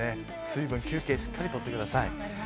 水分、休憩しっかり取ってください。